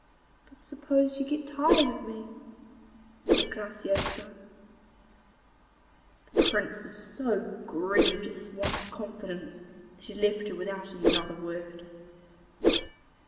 'But suppose you get tired of me?' said Graciosa. The Prince was so grieved at this want of confidence that he left her without another word.